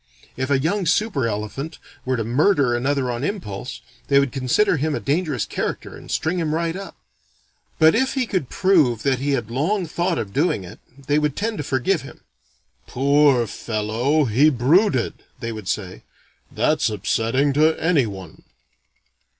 If a young super elephant were to murder another on impulse, they would consider him a dangerous character and string him right up. But if he could prove that he had long thought of doing it, they would tend to forgive him. "Poor fellow, he brooded," they would say. "That's upsetting to any one."